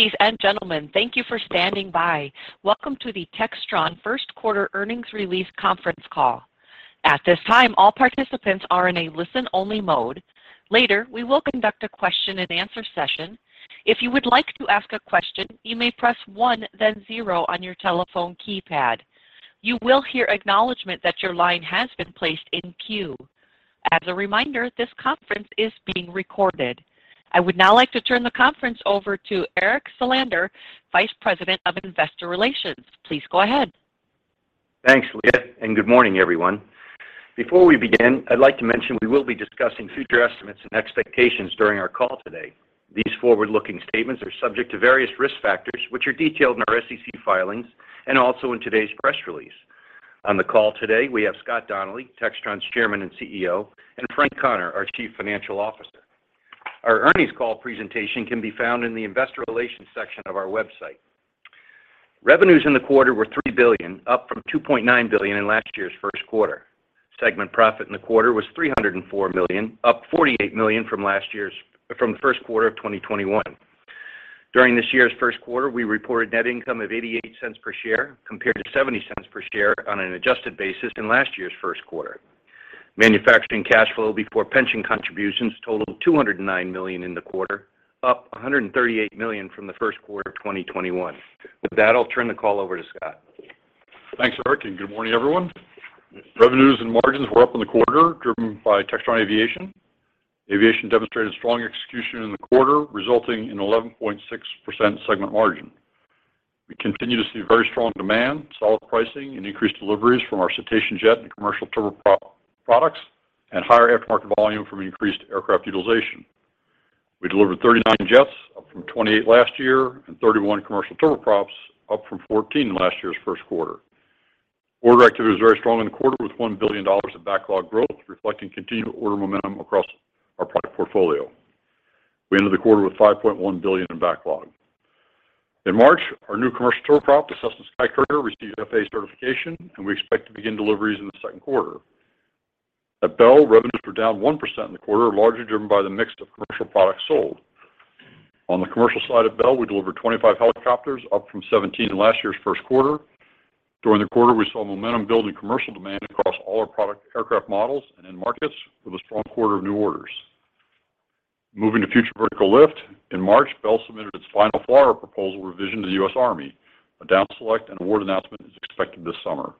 Ladies and gentlemen, thank you for standing by. Welcome to the Textron First Quarter Earnings Release Conference Call. At this time, all participants are in a listen-only mode. Later, we will conduct a question and answer session. If you would like to ask a question, you may press one, then zero on your telephone keypad. You will hear acknowledgment that your line has been placed in queue. As a reminder, this conference is being recorded. I would now like to turn the conference over to Eric Salander, Vice President of Investor Relations. Please go ahead. Thanks, Leah, and good morning, everyone. Before we begin, I'd like to mention we will be discussing future estimates and expectations during our call today. These forward-looking statements are subject to various risk factors, which are detailed in our SEC filings and also in today's press release. On the call today, we have Scott Donnelly, Textron's Chairman and CEO, and Frank Connor, our Chief Financial Officer. Our earnings call presentation can be found in the Investor Relations section of our website. Revenues in the quarter were $3 billion, up from $2.9 billion in last year's first quarter. Segment profit in the quarter was $304 million, up $48 million from the first quarter of 2021. During this year's first quarter, we reported net income of $0.88 per share, compared to $0.70 per share on an adjusted basis in last year's first quarter. Manufacturing cash flow before pension contributions totaled $209 million in the quarter, up $138 million from the first quarter of 2021. With that, I'll turn the call over to Scott. Thanks, Eric, and good morning, everyone. Revenues and margins were up in the quarter, driven by Textron Aviation. Aviation demonstrated strong execution in the quarter, resulting in 11.6% segment margin. We continue to see very strong demand, solid pricing and increased deliveries from our Citation jet and commercial turboprop products, and higher aftermarket volume from increased aircraft utilization. We delivered 39 jets, up from 28 last year, and 31 commercial turboprops, up from 14 in last year's first quarter. Order activity was very strong in the quarter with $1 billion of backlog growth, reflecting continued order momentum across our product portfolio. We ended the quarter with $5.1 billion in backlog. In March, our new commercial turboprop, the Cessna SkyCourier, received FAA certification, and we expect to begin deliveries in the second quarter. At Bell, revenues were down 1% in the quarter, largely driven by the mix of commercial products sold. On the commercial side of Bell, we delivered 25 helicopters, up from 17 in last year's first quarter. During the quarter, we saw momentum build in commercial demand across all our product aircraft models and end markets with a strong quarter of new orders. Moving to Future Vertical Lift, in March, Bell submitted its final FLRAA proposal revision to the U.S. Army. A down select and award announcement is expected this summer.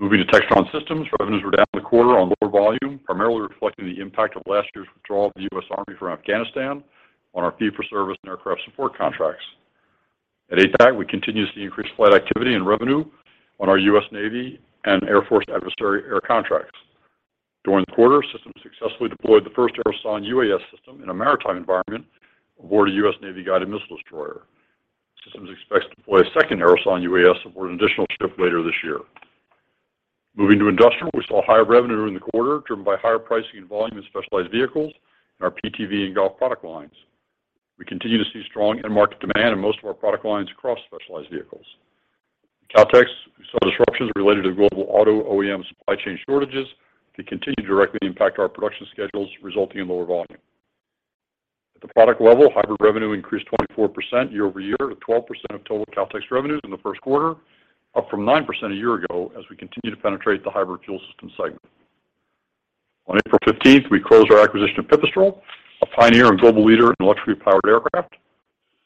Moving to Textron Systems, revenues were down in the quarter on lower volume, primarily reflecting the impact of last year's withdrawal of the U.S. Army from Afghanistan on our fee for service and aircraft support contracts. At ATAC, we continue to see increased flight activity and revenue on our U.S. Navy and Air Force adversary air contracts. During the quarter, Systems successfully deployed the first Aerosonde UAS system in a maritime environment aboard a U.S. Navy guided missile destroyer. Systems expects to deploy a second Aerosonde UAS aboard an additional ship later this year. Moving to Industrial, we saw higher revenue in the quarter, driven by higher pricing and volume in specialized vehicles in our PTV and golf product lines. We continue to see strong end market demand in most of our product lines across specialized vehicles. Kautex, we saw disruptions related to global auto OEM supply chain shortages that continue to directly impact our production schedules, resulting in lower volume. At the product level, hybrid revenue increased 24% year-over-year to 12% of total Kautex revenues in the first quarter, up from 9% a year ago as we continue to penetrate the hybrid fuel system segment. On April 15th, we closed our acquisition of Pipistrel, a pioneer and global leader in electric-powered aircraft.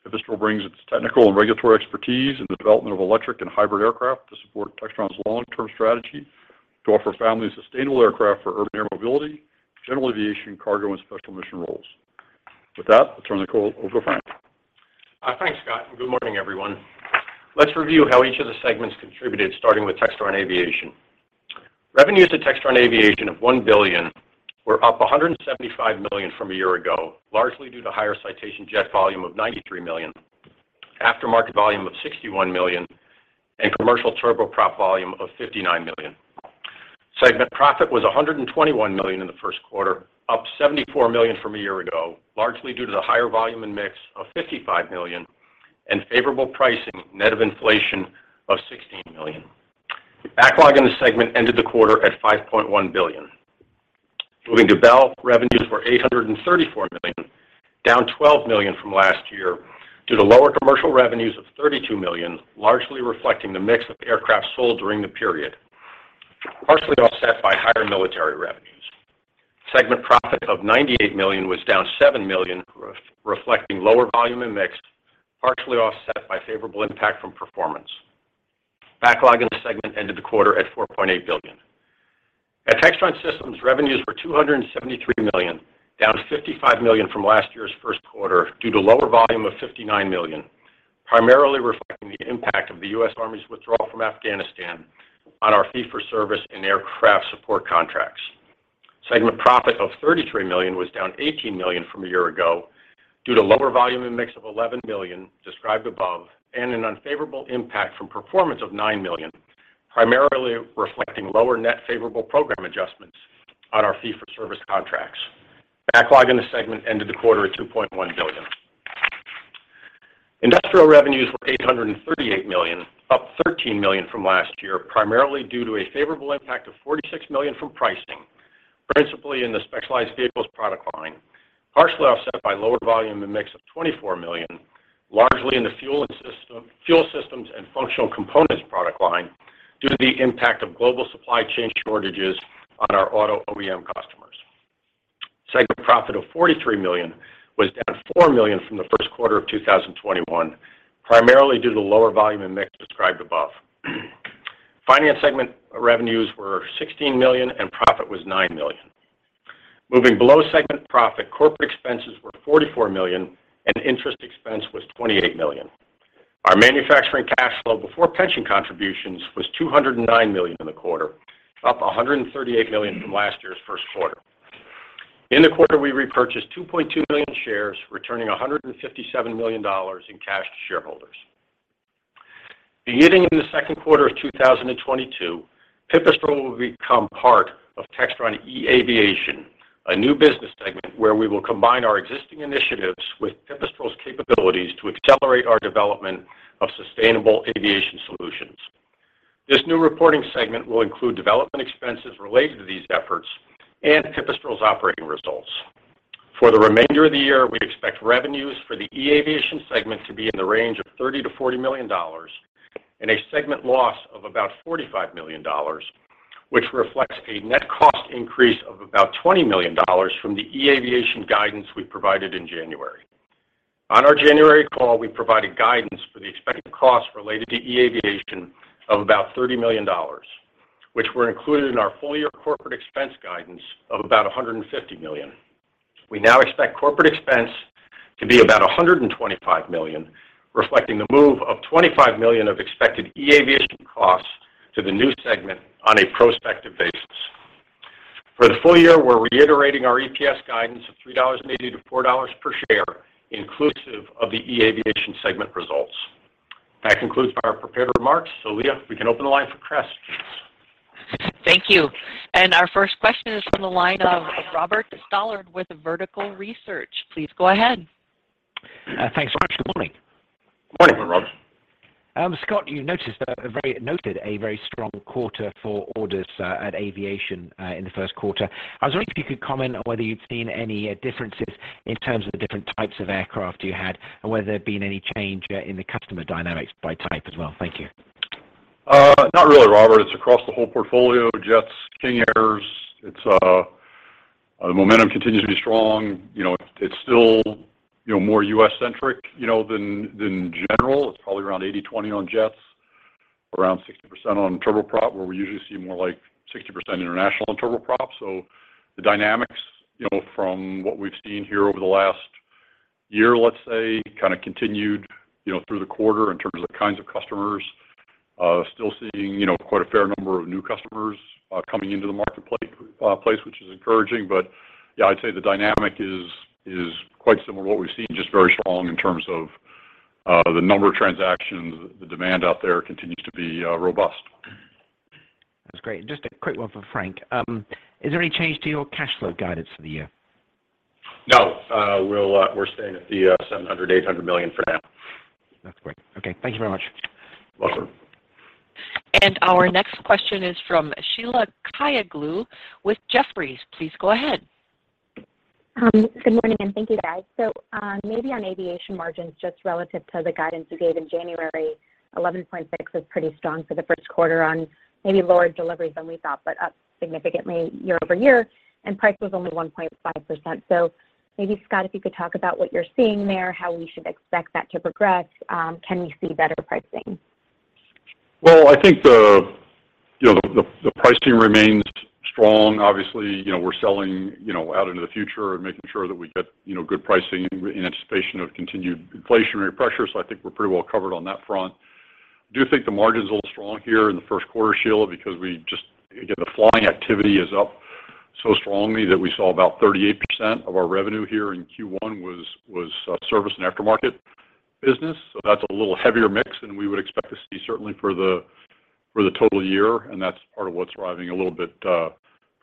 Pipistrel brings its technical and regulatory expertise in the development of electric and hybrid aircraft to support Textron's long-term strategy to offer families sustainable aircraft for urban air mobility, general aviation, cargo, and special mission roles. With that, I'll turn the call over to Frank. Thanks, Scott, and good morning, everyone. Let's review how each of the segments contributed, starting with Textron Aviation. Revenues at Textron Aviation of $1 billion were up $175 million from a year ago, largely due to higher Citation jet volume of $93 million, aftermarket volume of $61 million, and commercial turboprop volume of $59 million. Segment profit was $121 million in the first quarter, up $74 million from a year ago, largely due to the higher volume and mix of $55 million and favorable pricing net of inflation of $16 million. Backlog in the segment ended the quarter at $5.1 billion. Moving to Bell, revenues were $834 million, down $12 million from last year due to lower commercial revenues of $32 million, largely reflecting the mix of aircraft sold during the period, partially offset by higher military revenues. Segment profit of $98 million was down $7 million, reflecting lower volume and mix, partially offset by favorable impact from performance. Backlog in the segment ended the quarter at $4.8 billion. At Textron Systems, revenues were $273 million, down $55 million from last year's first quarter due to lower volume of $59 million, primarily reflecting the impact of the U.S. Army's withdrawal from Afghanistan on our fee-for-service and aircraft support contracts. Segment profit of $33 million was down $18 million from a year ago due to lower volume and mix of $11 million described above and an unfavorable impact from performance of $9 million, primarily reflecting lower net favorable program adjustments on our fee-for-service contracts. Backlog in the segment ended the quarter at $2.1 billion. Industrial revenues were $838 million, up $13 million from last year, primarily due to a favorable impact of $46 million from pricing. Principally in the specialized vehicles product line, partially offset by lower volume and mix of $24 million, largely in the fuel systems and functional components product line due to the impact of global supply chain shortages on our auto OEM customers. Segment profit of $43 million was down $4 million from the first quarter of 2021, primarily due to the lower volume and mix described above. Finance segment revenues were $16 million, and profit was $9 million. Moving below segment profit, corporate expenses were $44 million, and interest expense was $28 million. Our manufacturing cash flow before pension contributions was $209 million in the quarter, up $138 million from last year's first quarter. In the quarter, we repurchased 2.2 million shares, returning $157 million in cash to shareholders. Beginning in the second quarter of 2022, Pipistrel will become part of Textron eAviation, a new business segment where we will combine our existing initiatives with Pipistrel's capabilities to accelerate our development of sustainable aviation solutions. This new reporting segment will include development expenses related to these efforts and Pipistrel's operating results. For the remainder of the year, we expect revenues for the eAviation segment to be in the range of $30 million-$40 million and a segment loss of about $45 million, which reflects a net cost increase of about $20 million from the eAviation guidance we provided in January. On our January call, we provided guidance for the expected costs related to eAviation of about $30 million, which were included in our full-year corporate expense guidance of about $150 million. We now expect corporate expense to be about $125 million, reflecting the move of $25 million of expected eAviation costs to the new segment on a prospective basis. For the full year, we're reiterating our EPS guidance of $3.80-$4.00 per share, inclusive of the eAviation segment results. That concludes our prepared remarks. Leah, we can open the line for questions. Thank you. Our first question is from the line of Robert Stallard with Vertical Research. Please go ahead. Thanks so much. Good morning. Morning, Robert. Scott, you noted a very strong quarter for orders at Aviation in the first quarter. I was wondering if you could comment on whether you've seen any differences in terms of the different types of aircraft you had and whether there had been any change in the customer dynamics by type as well. Thank you. Not really, Robert. It's across the whole portfolio, jets, King Airs. It's the momentum continues to be strong. You know, it's still, you know, more U.S.-centric, you know, than general. It's probably around 80/20 on jets, around 60% on turboprop, where we usually see more like 60% international on turboprop. The dynamics, you know, from what we've seen here over the last year, let's say, kind of continued, you know, through the quarter in terms of the kinds of customers. Still seeing, you know, quite a fair number of new customers, coming into the marketplace, which is encouraging. Yeah, I'd say the dynamic is quite similar to what we've seen, just very strong in terms of the number of transactions. The demand out there continues to be robust. That's great. Just a quick one for Frank. Is there any change to your cash flow guidance for the year? No. We're staying at the $700 million-$800 million for now. That's great. Okay, thank you very much. Welcome. Our next question is from Sheila Kahyaoglu with Jefferies. Please go ahead. Good morning, and thank you, guys. Maybe on aviation margins, just relative to the guidance you gave in January, 11.6% was pretty strong for the first quarter on maybe lower deliveries than we thought, but up significantly year-over-year, and price was only 1.5%. Maybe, Scott, if you could talk about what you're seeing there, how we should expect that to progress. Can we see better pricing? Well, I think the pricing remains strong. Obviously, you know, we're selling, you know, out into the future and making sure that we get, you know, good pricing in anticipation of continued inflationary pressure. I think we're pretty well covered on that front. I do think the margin's a little strong here in the first quarter, Sheila, because we just, again, the flying activity is up so strongly that we saw about 38% of our revenue here in Q1 was service and aftermarket business. That's a little heavier mix than we would expect to see certainly for the total year, and that's part of what's driving a little bit,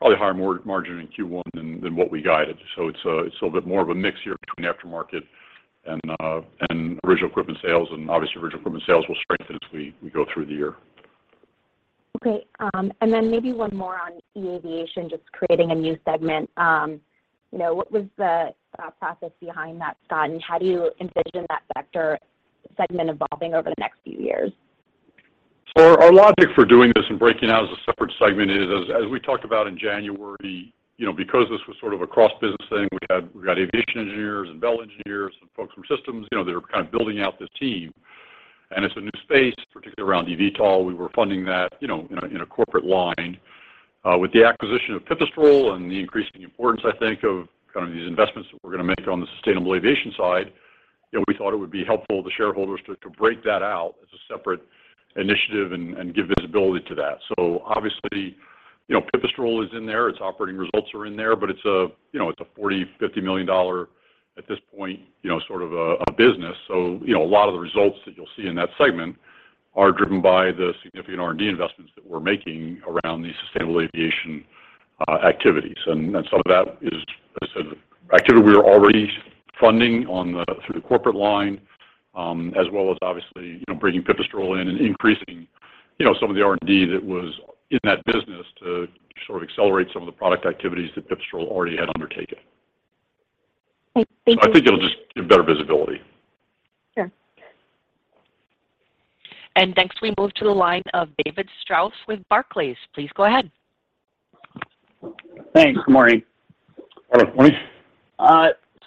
probably higher margin in Q1 than what we guided. It's a bit more of a mix here between aftermarket and original equipment sales, and obviously original equipment sales will strengthen as we go through the year. Okay. Maybe one more on eAviation just creating a new segment. You know, what was the process behind that, Scott, and how do you envision that sector segment evolving over the next few years? Our logic for doing this and breaking out as a separate segment is as we talked about in January, you know, because this was sort of a cross-business thing, we got aviation engineers and Bell engineers and folks from systems, you know, that are kind of building out this team. It's a new space, particularly around eVTOL. We were funding that, you know, in a corporate line. With the acquisition of Pipistrel and the increasing importance, I think, of kind of these investments that we're gonna make on the sustainable aviation side, you know, we thought it would be helpful to shareholders to break that out as a separate initiative and give visibility to that. Obviously, you know, Pipistrel is in there, its operating results are in there, but it's a $40-$50 million at this point, you know, sort of a business. You know, a lot of the results that you'll see in that segment are driven by the significant R&D investments that we're making around these sustainable aviation activities. Some of that is just activity we are already funding through the corporate line, as well as obviously, you know, bringing Pipistrel in and increasing, you know, some of the R&D that was in that business to sort of accelerate some of the product activities that Pipistrel already had undertaken. Okay. Thank you. I think it'll just give better visibility. Sure. Next, we move to the line of David Strauss with Barclays. Please go ahead. Thanks. Good morning. Hello. Good morning.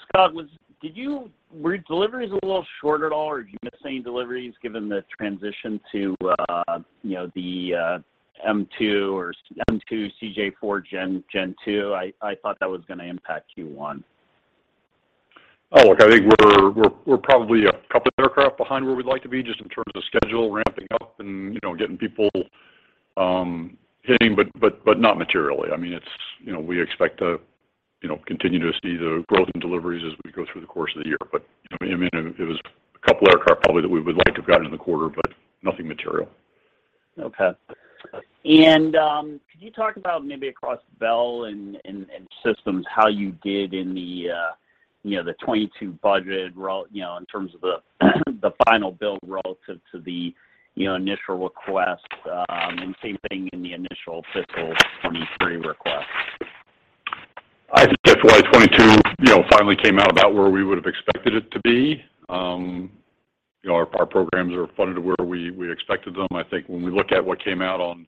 Scott, were deliveries a little short at all, or are you missing deliveries given the transition to, you know, the M2 or Citation M2, CJ4, Gen2? I thought that was gonna impact Q1. Oh, look, I think we're probably a couple aircraft behind where we'd like to be just in terms of schedule ramping up and, you know, getting people hitting, but not materially. I mean, it's, you know, we expect to continue to see the growth in deliveries as we go through the course of the year. I mean, it was a couple aircraft probably that we would like to have gotten in the quarter, but nothing material. Okay. Could you talk about maybe across Bell and Systems, how you did in the, you know, the 2022 budget, you know, in terms of the final build relative to the, you know, initial request, and same thing in the initial fiscal 2023 request? I think FY 2022, you know, finally came out about where we would've expected it to be. Our programs are funded to where we expected them. I think when we look at what came out on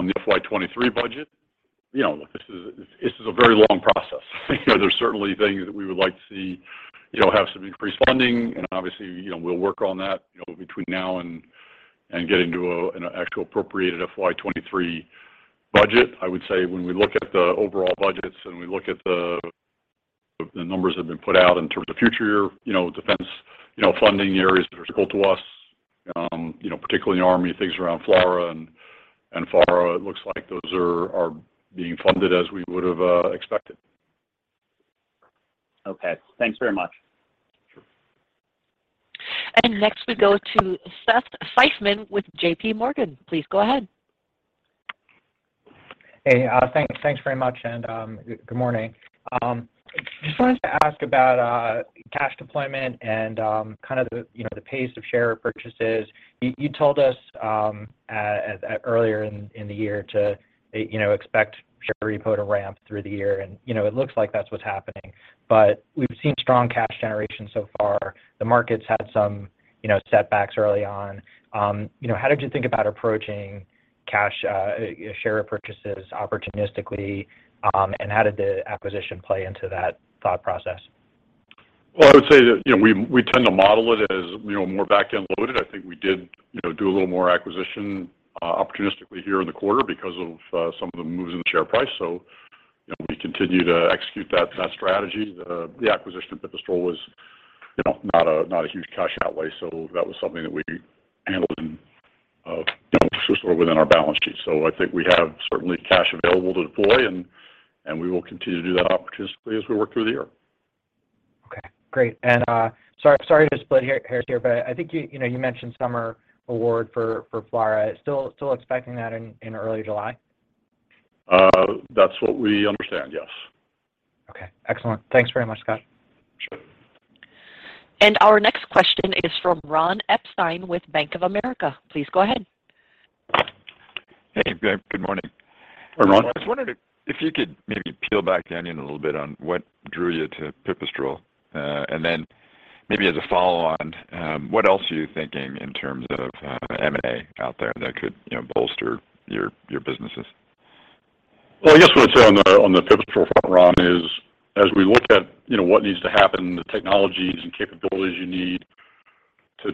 the FY 2023 budget, you know, look, this is a very long process. You know, there's certainly things that we would like to see, you know, have some increased funding, and obviously, you know, we'll work on that, you know, between now and getting to an actual appropriated FY 2023 budget. I would say when we look at the overall budgets, and we look at the numbers that have been put out in terms of future year, you know, defense, you know, funding areas that are critical to us, you know, particularly in the Army, things around FLRAA and FARA, it looks like those are being funded as we would've expected. Okay. Thanks very much. Sure. Next we go to Seth Seifman with J.P. Morgan. Please go ahead. Hey, thanks very much, and good morning. Just wanted to ask about cash deployment and, kind of, you know, the pace of share repurchases. You told us earlier in the year to, you know, expect share repo to ramp through the year, and, you know, it looks like that's what's happening. But we've seen strong cash generation so far. The market's had some, you know, setbacks early on. You know, how did you think about approaching cash, you know, share repurchases opportunistically, and how did the acquisition play into that thought process? Well, I would say that, you know, we tend to model it as, you know, more back-end loaded. I think we did, you know, do a little more acquisition opportunistically here in the quarter because of some of the moves in the share price. You know, we continue to execute that strategy. The acquisition of Pipistrel was, you know, not a huge cash outlay, so that was something that we handled in, you know, sort of within our balance sheet. I think we have certainly cash available to deploy, and we will continue to do that opportunistically as we work through the year. Okay. Great. Sorry to split hair here, but I think you know, you mentioned summer award for FLRAA. Still expecting that in early July? That's what we understand, yes. Okay. Excellent. Thanks very much, Scott. Sure. Our next question is from Ron Epstein with Bank of America. Please go ahead. Hey, good morning. Hey, Ron. I was wondering if you could maybe peel back the onion a little bit on what drew you to Pipistrel. Maybe as a follow-on, what else are you thinking in terms of M&A out there that could, you know, bolster your businesses? Well, I guess what I'd say on the Pipistrel front, Ron, is as we look at, you know, what needs to happen, the technologies and capabilities you need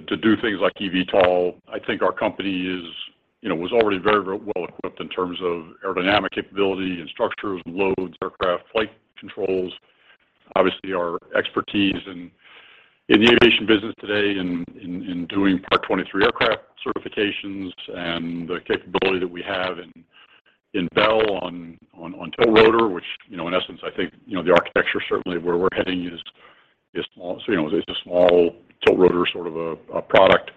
to do things like EVTOL, I think our company is, you know, was already very well equipped in terms of aerodynamic capability and structures and loads, aircraft flight controls. Obviously, our expertise in the aviation business today in doing Part 23 aircraft certifications and the capability that we have in Bell on tiltrotor, which, you know, in essence, I think, you know, the architecture certainly of where we're heading is small. You know, it's a small tiltrotor sort of a product.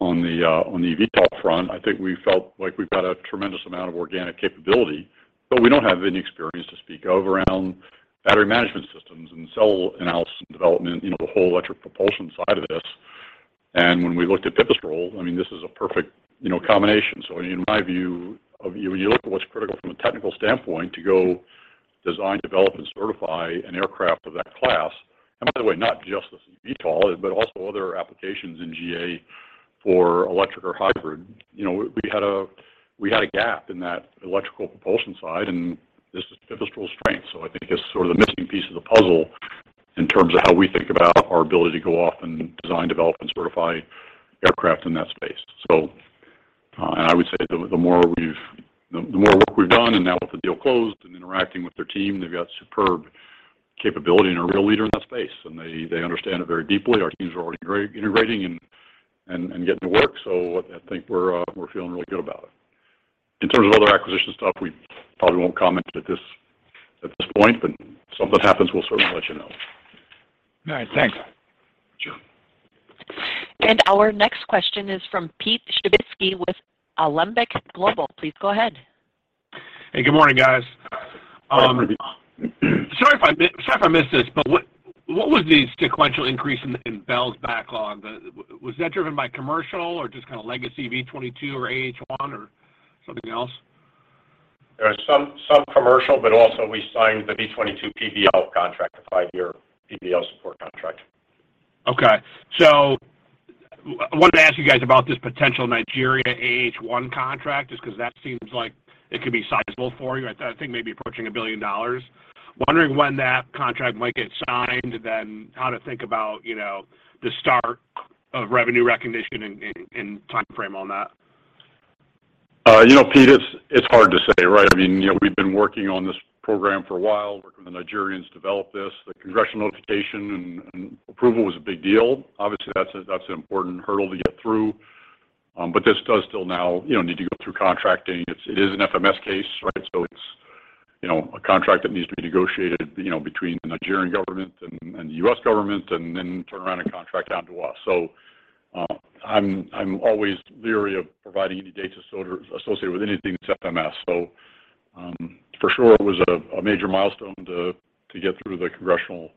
On the EVTOL front, I think we felt like we've got a tremendous amount of organic capability, but we don't have any experience to speak of around battery management systems and cell analysis and development, you know, the whole electric propulsion side of this. When we looked at Pipistrel, I mean, this is a perfect, you know, combination. In my view, when you look at what's critical from a technical standpoint to go design, develop, and certify an aircraft of that class, and by the way, not just as an EVTOL, but also other applications in GA for electric or hybrid. You know, we had a gap in that electrical propulsion side, and this is Pipistrel's strength. I think it's sort of the missing piece of the puzzle in terms of how we think about our ability to go off and design, develop, and certify aircraft in that space. I would say the more work we've done, and now with the deal closed and interacting with their team, they've got superb capability and are a real leader in that space, and they understand it very deeply. Our teams are already integrating and getting to work, so I think we're feeling really good about it. In terms of other acquisition stuff, we probably won't comment at this point, but if something happens, we'll certainly let you know. All right. Thanks. Our next question is from Pete Skibitski with Alembic Global. Please go ahead. Hey, good morning, guys. Good morning. Sorry if I missed this, but what was the sequential increase in Bell's backlog? Was that driven by commercial or just kind of legacy V-22 or AH-1 or something else? There was some commercial, but also we signed the V-22 PBL contract, the five-year PBL support contract. Okay. Wanted to ask you guys about this potential Nigeria AH-1 contract, just because that seems like it could be sizable for you. I think maybe approaching $1 billion. Wondering when that contract might get signed, then how to think about, you know, the start of revenue recognition and timeframe on that. You know, Pete, it's hard to say, right? I mean, you know, we've been working on this program for a while, working with the Nigerians to develop this. The Congressional notification and approval was a big deal. Obviously, that's an important hurdle to get through, but this does still now, you know, need to go through contracting. It is an FMS case, right? So it's, you know, a contract that needs to be negotiated, you know, between the Nigerian government and the U.S. government, and then turn around and contract out to us. So, I'm always leery of providing any dates associated with anything that's FMS. For sure it was a major milestone to get through the Congressional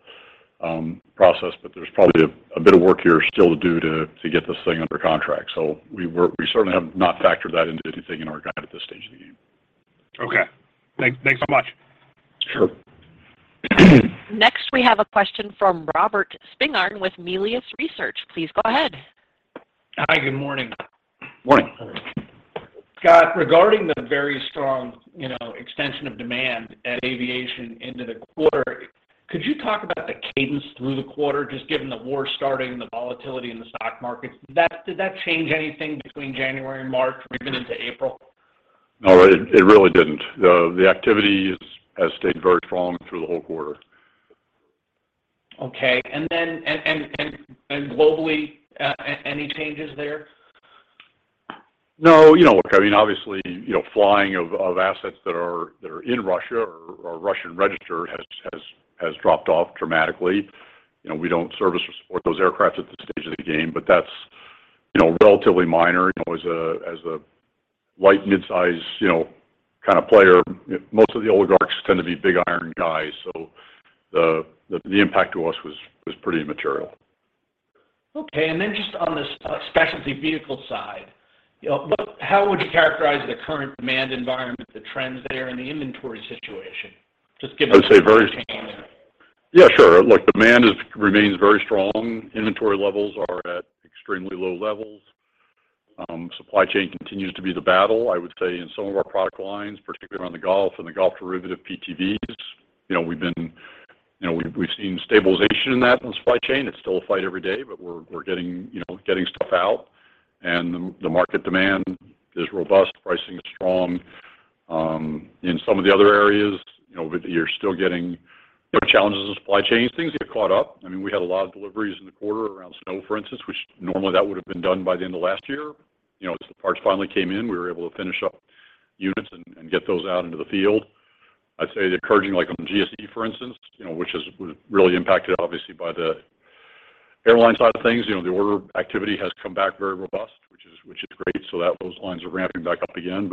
process, but there's probably a bit of work here still to do to get this thing under contract. We certainly have not factored that into anything in our guide at this stage of the game. Okay. Thanks so much. Sure. Next we have a question from Robert Spingarn with Melius Research. Please go ahead. Hi. Good morning. Morning. Scott, regarding the very strong, you know, extension of demand at aviation into the quarter, could you talk about the cadence through the quarter, just given the war starting, the volatility in the stock market? Did that change anything between January and March or even into April? No, it really didn't. The activity has stayed very strong through the whole quarter. Okay. Globally, any changes there? No. You know, look, I mean, obviously, you know, flying of assets that are in Russia or are Russian-registered has dropped off dramatically. You know, we don't service or support those aircraft at this stage of the game, but that's, you know, relatively minor. You know, as a light mid-size, you know, kind of player, most of the oligarchs tend to be big iron guys, so the impact to us was pretty immaterial. Okay. Just on the specialized vehicle side, you know, how would you characterize the current demand environment, the trends there, and the inventory situation, just given the- I would say very. Change there. Yeah, sure. Look, demand remains very strong. Inventory levels are at extremely low levels. Supply chain continues to be the battle, I would say, in some of our product lines, particularly around the golf and the golf derivative PTVs. You know, we've seen stabilization in that on supply chain. It's still a fight every day, but we're getting, you know, getting stuff out, and the market demand is robust, pricing is strong. In some of the other areas, you know, we're still getting, you know, challenges in supply chain. Things get caught up. I mean, we had a lot of deliveries in the quarter around snow, for instance, which normally that would have been done by the end of last year. You know, as the parts finally came in, we were able to finish up units and get those out into the field. I'd say the encouraging, like on GSE, for instance, you know, which was really impacted obviously by the airline side of things. You know, the order activity has come back very robust, which is great, so that those lines are ramping back up again.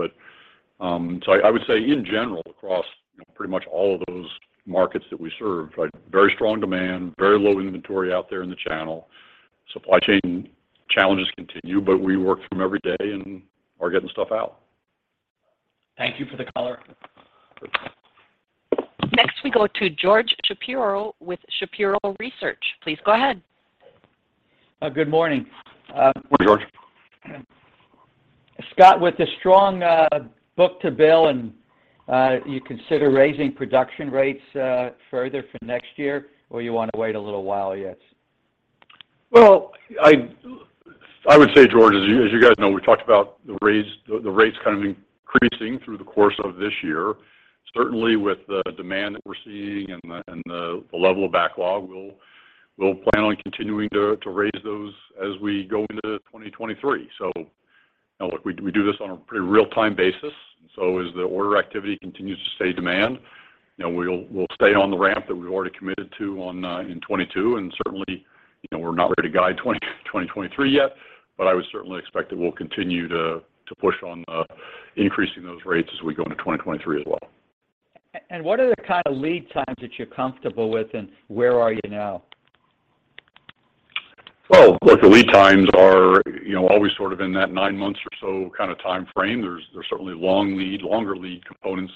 I would say in general across, you know, pretty much all of those markets that we serve, right, very strong demand, very low inventory out there in the channel. Supply chain challenges continue, but we work through them every day and are getting stuff out. Thank you for the color. Next we go to George Shapiro with Shapiro Research. Please go ahead. Good morning. Good morning, George. Scott, with the strong book-to-bill, do you consider raising production rates further for next year, or do you want to wait a little while yet? Well, I would say, George, as you guys know, we talked about the rates kind of increasing through the course of this year. Certainly with the demand that we're seeing and the level of backlog, we'll plan on continuing to raise those as we go into 2023. You know, look, we do this on a pretty real-time basis, and as the order activity continues to see demand, you know, we'll stay on the ramp that we've already committed to in 2022. Certainly, you know, we're not ready to guide 2023 yet, but I would certainly expect that we'll continue to push on increasing those rates as we go into 2023 as well. What are the kind of lead times that you're comfortable with, and where are you now? Well, look, the lead times are, you know, always sort of in that nine months or so kind of timeframe. There's certainly long lead, longer lead components,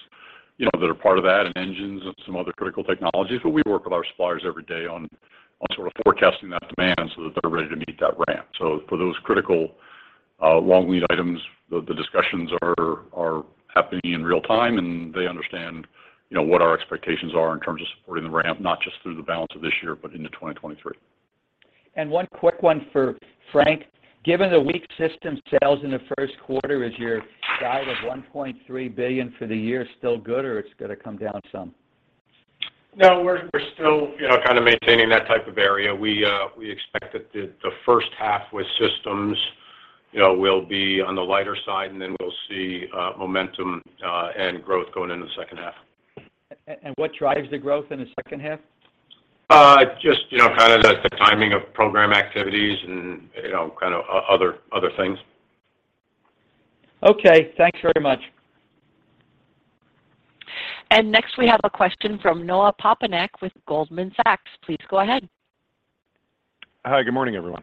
you know, that are part of that in engines and some other critical technologies, but we work with our suppliers every day on sort of forecasting that demand so that they're ready to meet that ramp. For those critical long lead items, the discussions are happening in real time, and they understand, you know, what our expectations are in terms of supporting the ramp, not just through the balance of this year, but into 2023. One quick one for Frank. Given the weak system sales in the first quarter, is your guide of $1.3 billion for the year still good, or it's gonna come down some? No, we're still, you know, kind of maintaining that type of area. We expect that the first half with systems, you know, will be on the lighter side, and then we'll see momentum and growth going into the second half. What drives the growth in the second half? Just, you know, kind of the timing of program activities and, you know, kind of other things. Okay. Thanks very much. Next, we have a question from Noah Poponak with Goldman Sachs. Please go ahead. Hi. Good morning, everyone.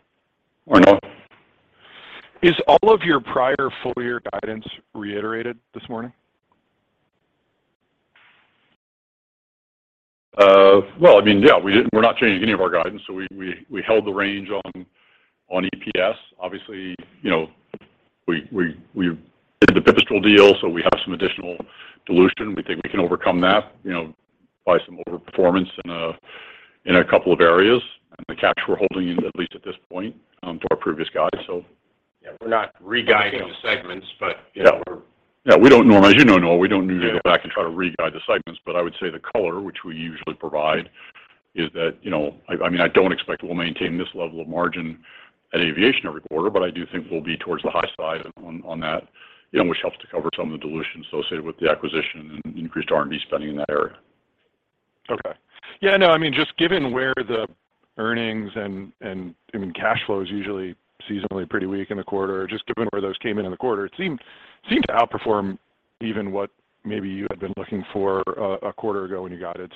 Morning, Noah. Is all of your prior full year guidance reiterated this morning? Well, I mean, yeah, we're not changing any of our guidance, so we held the range on EPS. Obviously, you know, we did the Pipistrel deal, so we have some additional dilution. We think we can overcome that, you know, by some over-performance in a couple of areas. The cash we're holding in line, at least at this point, to our previous guide, so. Yeah, we're not reguiding the segments, but, you know, we're. Yeah. We don't normally, as you know, Noah, we don't usually go back and try to re-guide the segments, but I would say the color, which we usually provide is that, you know, I mean, I don't expect we'll maintain this level of margin at Aviation every quarter, but I do think we'll be towards the high side on that, you know, which helps to cover some of the dilution associated with the acquisition and increased R&D spending in that area. Okay. Yeah, no, I mean, just given where the earnings and cash flow is usually seasonally pretty weak in the quarter, just given where those came in in the quarter, it seemed to outperform even what maybe you had been looking for a quarter ago when you got it.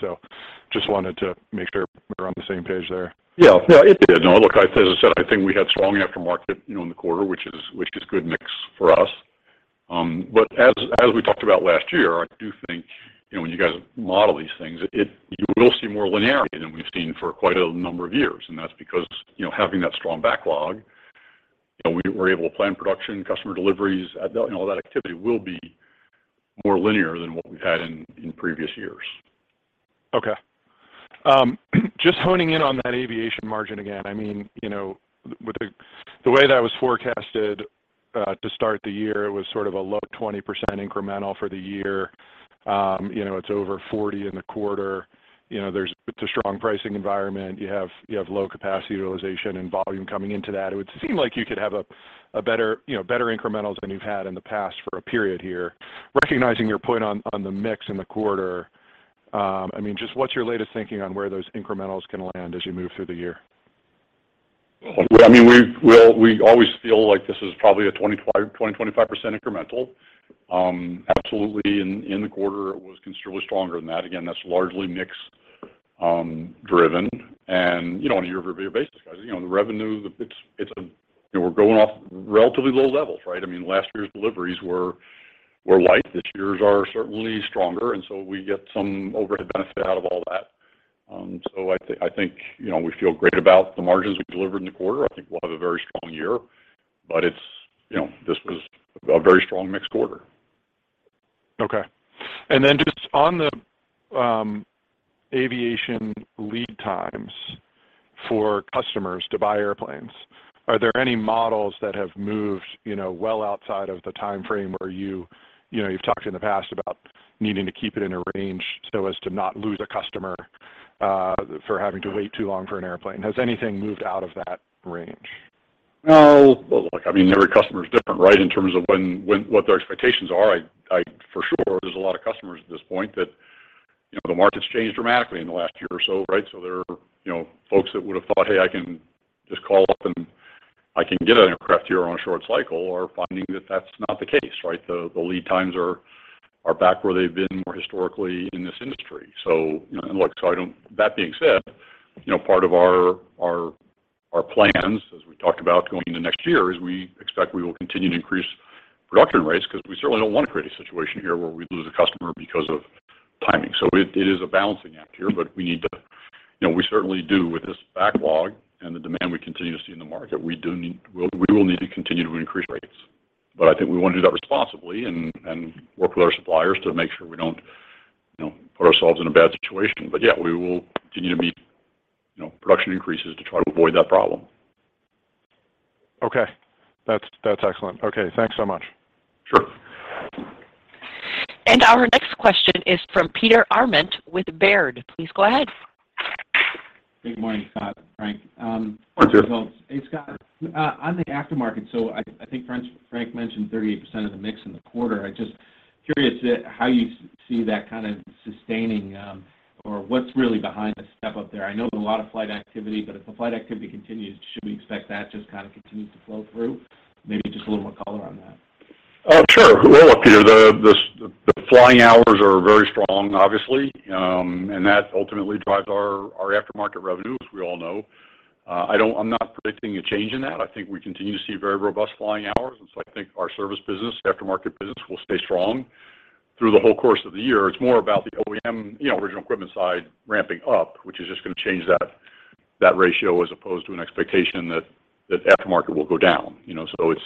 Just wanted to make sure we're on the same page there. Yeah. Yeah, it did. No, look, as I said, I think we had strong aftermarket, you know, in the quarter, which is good mix for us. But as we talked about last year, I do think, you know, when you guys model these things, you will see more linearity than we've seen for quite a number of years, and that's because, you know, having that strong backlog, you know, we're able to plan production, customer deliveries. You know, all that activity will be more linear than what we've had in previous years. Okay. Just honing in on that Aviation margin again. I mean, you know, with the way that was forecasted to start the year, it was sort of a low 20% incremental for the year. You know, it's over 40% in the quarter. You know, there's a strong pricing environment. You have low capacity utilization and volume coming into that. It would seem like you could have a better, you know, better incrementals than you've had in the past for a period here. Recognizing your point on the mix in the quarter, I mean, just what's your latest thinking on where those incrementals can land as you move through the year? I mean, we always feel like this is probably a 25% incremental. Absolutely in the quarter, it was considerably stronger than that. Again, that's largely mix driven. You know, on a year-over-year basis, as you know, the revenue, it's you know, we're going off relatively low levels, right? I mean, last year's deliveries were light. This year's are certainly stronger, and so we get some overhead benefit out of all that. So I think, you know, we feel great about the margins we delivered in the quarter. I think we'll have a very strong year, but it's you know, this was a very strong mixed quarter. Okay. Just on the aviation lead times for customers to buy airplanes, are there any models that have moved, you know, well outside of the timeframe where you you know you've talked in the past about needing to keep it in a range so as to not lose a customer for having to wait too long for an airplane. Has anything moved out of that range? Well, look, I mean, every customer is different, right, in terms of when what their expectations are. I for sure, there's a lot of customers at this point that, you know, the market's changed dramatically in the last year or so, right? There are, you know, folks that would have thought, "Hey, I can just call up, and I can get an aircraft here on a short cycle," are finding that that's not the case, right? The lead times are back where they've been more historically in this industry. You know, and look, that being said, you know, part of our plans, as we talked about going into next year, is we expect we will continue to increase production rates because we certainly don't want to create a situation here where we lose a customer because of timing. It is a balancing act here, but we need to. You know, we certainly do with this backlog and the demand we continue to see in the market. We will need to continue to increase rates. I think we want to do that responsibly and work with our suppliers to make sure we don't, you know, put ourselves in a bad situation. Yeah, we will continue to meet, you know, production increases to try to avoid that problem. Okay. That's excellent. Okay, thanks so much. Sure. Our next question is from Peter Arment with Baird. Please go ahead. Good morning, Scott and Frank. Morning, Peter. Hey, Scott. On the aftermarket, so I think Frank mentioned 38% of the mix in the quarter. I'm just curious at how you see that kind of sustaining, or what's really behind the step up there. I know there's a lot of flight activity, but if the flight activity continues, should we expect that just kind of continue to flow through? Maybe just a little more color on that. Sure. Well, look, Peter, the flying hours are very strong, obviously, and that ultimately drives our aftermarket revenue, as we all know. I'm not predicting a change in that. I think we continue to see very robust flying hours, and so I think our service business, aftermarket business will stay strong through the whole course of the year. It's more about the OEM, you know, original equipment side ramping up, which is just gonna change that ratio as opposed to an expectation that aftermarket will go down. You know, so it's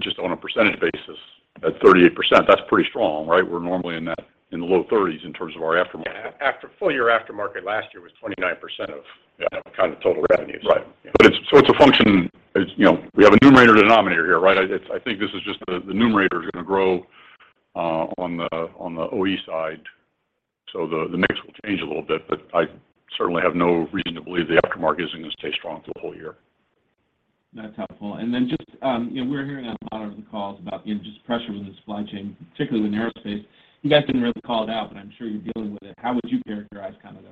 just on a percentage basis. At 38%, that's pretty strong, right? We're normally in that, in the low thirties in terms of our aftermarket. Yeah. Full year aftermarket last year was 29% of- Yeah. kind of total revenues. Right. It's a function, as you know, we have a numerator, denominator here, right? I think this is just the numerator is gonna grow on the OE side, so the mix will change a little bit. I certainly have no reason to believe the aftermarket isn't gonna stay strong through the whole year. That's helpful. Just, you know, we're hearing on a lot of the calls about just the pressure with the supply chain, particularly in the aerospace. You guys didn't really call it out, but I'm sure you're dealing with it. How would you characterize kind of the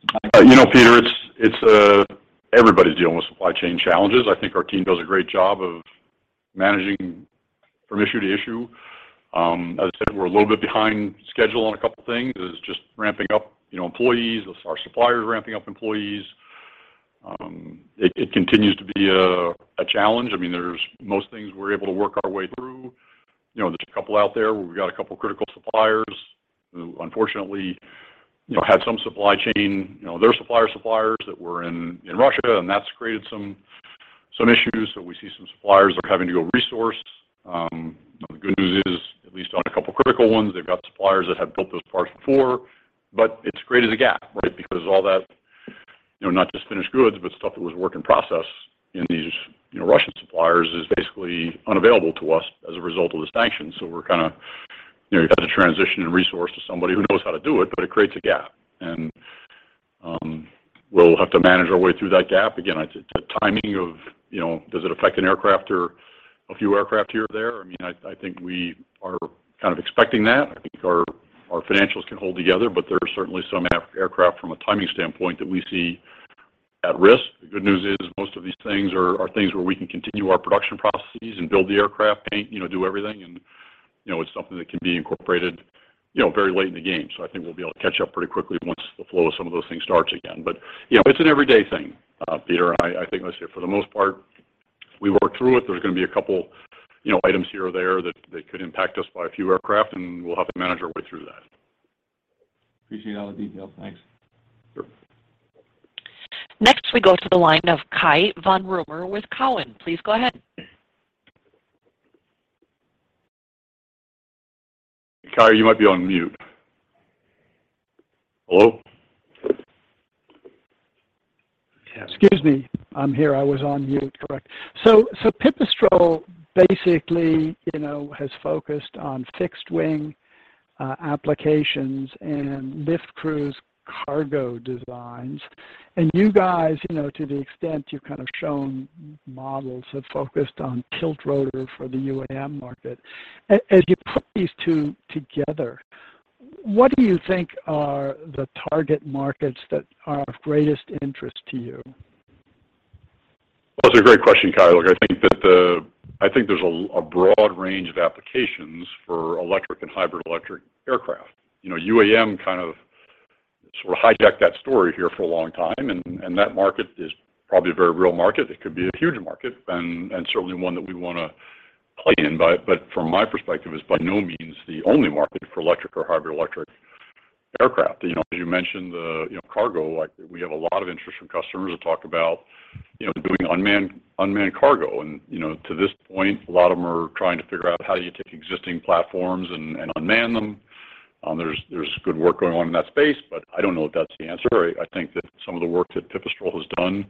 supply chain? You know, Peter, it's everybody's dealing with supply chain challenges. I think our team does a great job of managing from issue to issue. As I said, we're a little bit behind schedule on a couple of things. It's just ramping up, you know, employees, our suppliers ramping up employees. It continues to be a challenge. I mean, there's most things we're able to work our way through. You know, there's a couple out there where we've got a couple critical suppliers who unfortunately, you know, had some supply chain, you know, their supplier's suppliers that were in Russia, and that's created some issues. So we see some suppliers are having to go resource. The good news is, at least on a couple critical ones, they've got suppliers that have built those parts before. But it's created a gap, right? Because all that, you know, not just finished goods, but stuff that was work in process in these, you know, Russian suppliers is basically unavailable to us as a result of the sanctions. We're kinda, you know, you've got to transition and resource to somebody who knows how to do it, but it creates a gap. We'll have to manage our way through that gap. Again, it's the timing of, you know, does it affect an aircraft or a few aircraft here or there? I mean, I think we are kind of expecting that. I think our financials can hold together, but there are certainly some aircraft from a timing standpoint that we see at risk. The good news is most of these things are things where we can continue our production processes and build the aircraft, paint, you know, do everything. You know, it's something that can be incorporated, you know, very late in the game. I think we'll be able to catch up pretty quickly once the flow of some of those things starts again. You know, it's an everyday thing, Peter. I think, let's say, for the most part, we work through it. There's gonna be a couple, you know, items here or there that could impact us by a few aircraft, and we'll have to manage our way through that. Appreciate all the details. Thanks. Sure. Next, we go to the line of Cai Von Rumohr with Cowen. Please go ahead. Cai, you might be on mute. Hello? Excuse me. I'm here. I was on mute. Correct. Pipistrel basically, you know, has focused on fixed wing applications and lift cruise cargo designs. You guys, you know, to the extent you've kind of shown models have focused on tiltrotor for the UAM market. As you put these two together, what do you think are the target markets that are of greatest interest to you? Well, that's a great question, Cai. Look, I think there's a broad range of applications for electric and hybrid electric aircraft. You know, UAM kind of sort of hijacked that story here for a long time, and that market is probably a very real market. It could be a huge market and certainly one that we wanna play in, but from my perspective is by no means the only market for electric or hybrid electric aircraft. You know, as you mentioned the cargo, like we have a lot of interest from customers who talk about doing unmanned cargo. You know, to this point, a lot of them are trying to figure out how you take existing platforms and unmanned them. There's good work going on in that space, but I don't know if that's the answer. I think that some of the work that Pipistrel has done,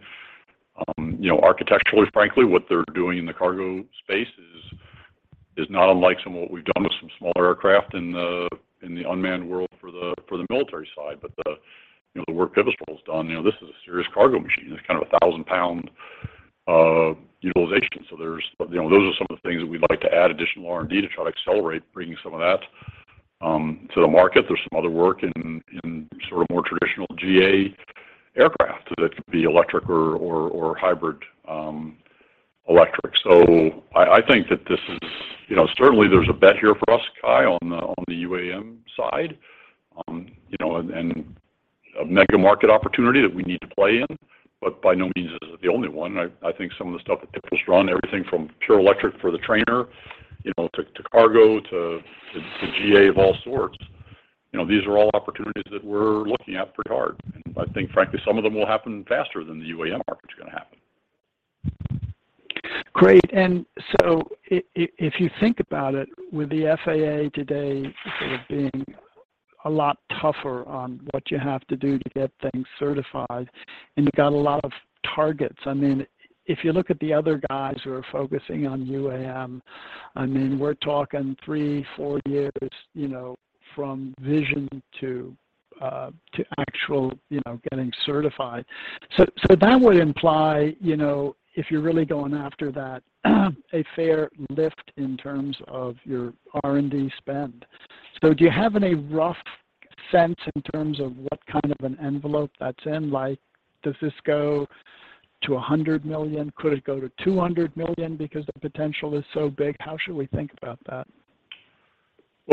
you know, architecturally, frankly, what they're doing in the cargo space is not unlike some of what we've done with some smaller aircraft in the unmanned world for the military side. You know, the work Pipistrel's done, you know, this is a serious cargo machine. It's kind of a 1,000-pound utilization. So, you know, those are some of the things that we'd like to add additional R&D to try to accelerate bringing some of that to the market. There's some other work in sort of more traditional GA aircraft that could be electric or hybrid electric. I think that this is, you know, certainly there's a bet here for us, Cai, on the UAM side, you know, and a mega market opportunity that we need to play in, but by no means is it the only one. I think some of the stuff that Pipistrel has done, everything from pure electric for the trainer, you know, to GA of all sorts, you know, these are all opportunities that we're looking at pretty hard. I think frankly, some of them will happen faster than the UAM market's gonna happen. If you think about it, with the FAA today sort of being a lot tougher on what you have to do to get things certified, and you got a lot of targets, I mean, if you look at the other guys who are focusing on UAM, I mean, we're talking three, four years, you know, from vision to actual, you know, getting certified. That would imply, you know, if you're really going after that, a fair lift in terms of your R&D spend. Do you have any rough sense in terms of what kind of an envelope that's in? Like, does this go to $100 million? Could it go to $200 million because the potential is so big? How should we think about that?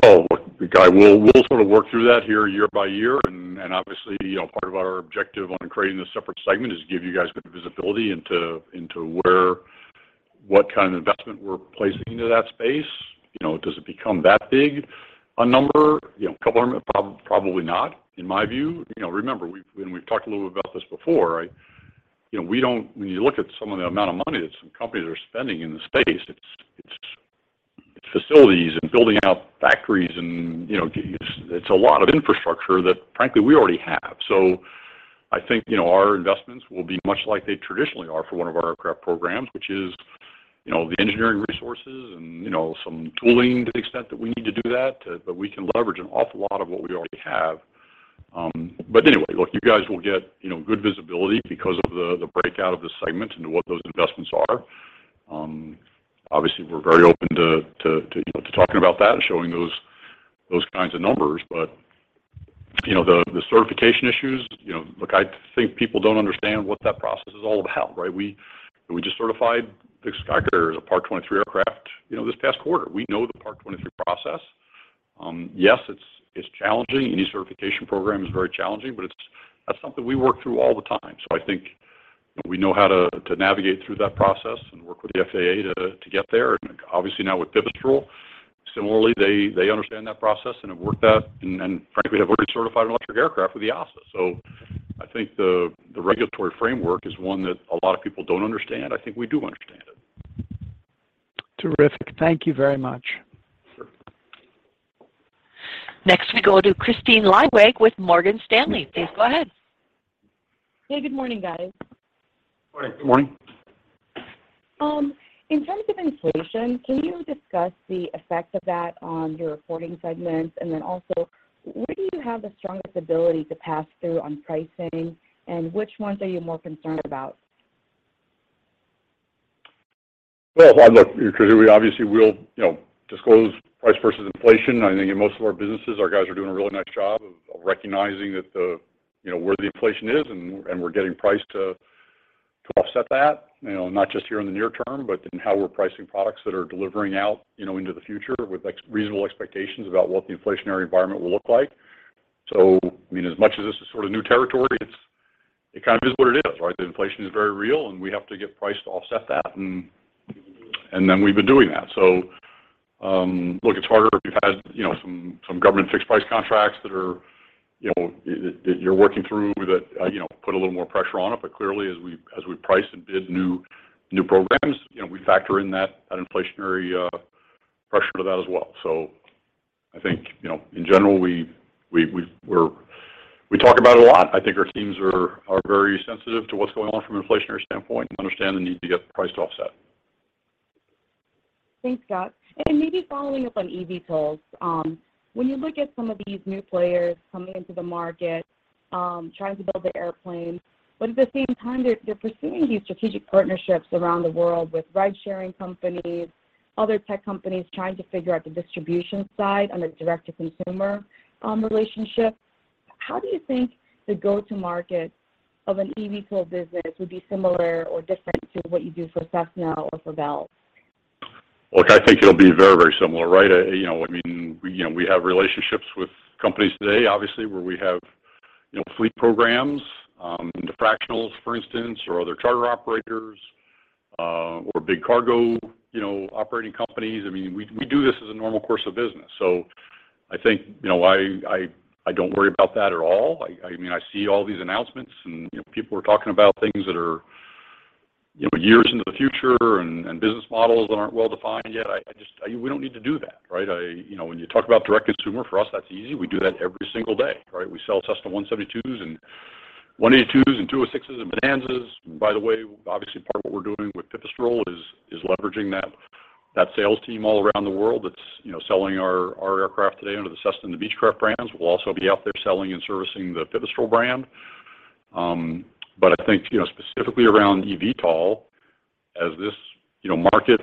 Well, look, Cai, we'll sort of work through that here year by year. Obviously, you know, part of our objective on creating this separate segment is to give you guys good visibility into what kind of investment we're placing into that space. You know, does it become that big a number? You know, a couple hundred probably not, in my view. You know, remember, we've talked a little bit about this before, right? You know, when you look at some of the amount of money that some companies are spending in the space, it's facilities and building out factories and, you know, it's a lot of infrastructure that frankly, we already have. I think our investments will be much like they traditionally are for one of our aircraft programs, which is the engineering resources and some tooling to the extent that we need to do that, but we can leverage an awful lot of what we already have. You guys will get good visibility because of the breakout of the segment into what those investments are. Obviously, we're very open to talking about that and showing those kinds of numbers. The certification issues, I think people don't understand what that process is all about, right? We just certified SkyCourier as a Part 23 aircraft this past quarter. We know the Part 23 process. Yes, it's challenging. Any certification program is very challenging, but that's something we work through all the time. I think, you know, we know how to navigate through that process and work with the FAA to get there. Obviously now with Pipistrel, similarly they understand that process and have worked that and frankly have already certified an electric aircraft with the EASA. I think the regulatory framework is one that a lot of people don't understand. I think we do understand it. Terrific. Thank you very much. Sure. Next we go to Kristine Liwag with Morgan Stanley. Please go ahead. Hey, good morning, guys. Morning. Good morning. In terms of inflation, can you discuss the effect of that on your reporting segments? Where do you have the strongest ability to pass through on pricing, and which ones are you more concerned about? Well, look, Kristine, we obviously will, you know, disclose price versus inflation. I think in most of our businesses, our guys are doing a really nice job of recognizing that the, you know, where the inflation is and we're getting price to offset that. You know, not just here in the near term, but in how we're pricing products that are delivering out, you know, into the future with reasonable expectations about what the inflationary environment will look like. I mean, as much as this is sort of new territory, it's kind of is what it is, right? The inflation is very real, and we have to get price to offset that, and then we've been doing that. Look, it's harder if you've had, you know, some government fixed price contracts that are, you know, that you're working through that, you know, put a little more pressure on it. But clearly as we price and bid new programs, you know, we factor in that inflationary pressure to that as well. I think, you know, in general, we talk about it a lot. I think our teams are very sensitive to what's going on from an inflationary standpoint and understand the need to get price to offset. Thanks, Scott. Maybe following up on eVTOLs. When you look at some of these new players coming into the market, trying to build an airplane, but at the same time, they're pursuing these strategic partnerships around the world with ride-sharing companies, other tech companies trying to figure out the distribution side on a direct-to-consumer relationship. How do you think the go-to-market of an eVTOL business would be similar or different to what you do for Cessna or for Bell? Look, I think it'll be very, very similar, right? You know, I mean, you know, we have relationships with companies today, obviously, where we have, you know, fleet programs into fractionals, for instance, or other charter operators or big cargo, you know, operating companies. I mean, we do this as a normal course of business. I think, you know, I don't worry about that at all. I mean, I see all these announcements, and, you know, people are talking about things that are, you know, years into the future and business models that aren't well-defined yet. I just. We don't need to do that, right? I you know, when you talk about direct-to-consumer, for us, that's easy. We do that every single day, right? We sell Cessna 172s and 182s and 206s and Bonanzas. By the way, obviously part of what we're doing with Pipistrel is leveraging that sales team all around the world that's, you know, selling our aircraft today under the Cessna and the Beechcraft brands. We'll also be out there selling and servicing the Pipistrel brand. I think, you know, specifically around eVTOL, as this, you know, market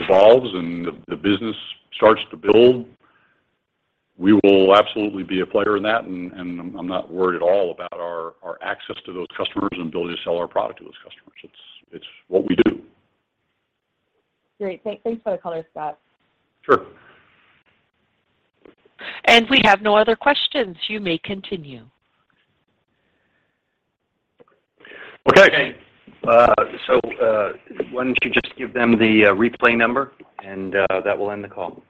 evolves and the business starts to build, we will absolutely be a player in that, and I'm not worried at all about our access to those customers and ability to sell our product to those customers. It's what we do. Great. Thanks for the color, Scott. Sure. We have no other questions. You may continue. Okay. Why don't you just give them the replay number, and that will end the call.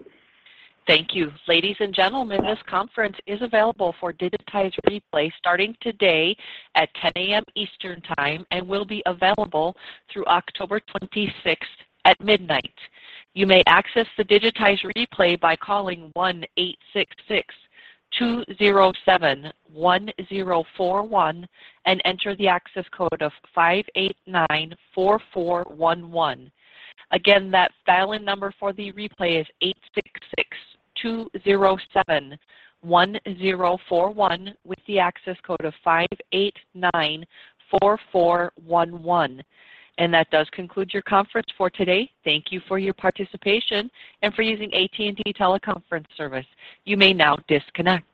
Thank you. Ladies and gentlemen, this conference is available for digitized replay starting today at 10 A.M. Eastern Time and will be available through October 26th at midnight. You may access the digitized replay by calling 1-866-207-1041 and enter the access code of 5894411. Again, that dial-in number for the replay is 866-207-1041 with the access code of 5894411. That does conclude your conference for today. Thank you for your participation and for using AT&T Teleconference service. You may now disconnect.